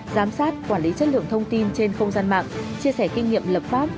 giám sát quản lý chất lượng thông tin trên không gian mạng chia sẻ kinh nghiệm lập pháp